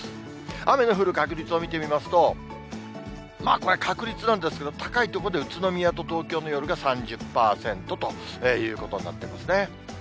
雨の降る確率を見てみますと、これ、確率論なんですけど、高い所で宇都宮と東京の夜が３０％ということになってますね。